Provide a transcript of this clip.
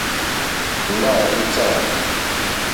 Ŋɡbâ í tâ.